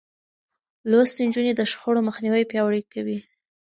لوستې نجونې د شخړو مخنيوی پياوړی کوي.